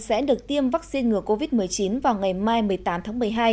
sẽ được tiêm vaccine ngừa covid một mươi chín vào ngày mai một mươi tám tháng một mươi hai